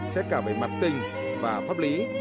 xét cả về mặt tình và pháp lý